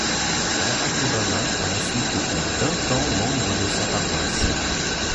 Barack Obama a ensuite été vingt ans membre de sa paroisse.